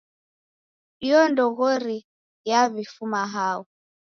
Iyo ndoghoi yaw'ifuma hao?